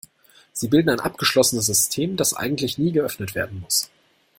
Sie bilden ein abgeschlossenes System, das eigentlich nie geöffnet werden muss.